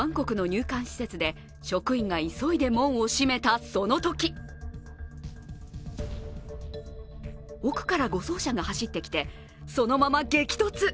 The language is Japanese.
タイ・バンコクの入管施設で職員が急いで門を閉めたそのとき奥から護送車が走ってきて、そのまま激突。